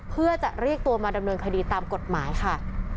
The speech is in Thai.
เพื่อจะเรียกตัวมาดำเนินคดีตามกฎหมายค่ะ